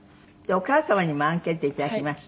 お母様にもアンケート頂きました。